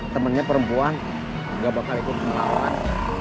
temannya perempuan gak bakal ikut melawan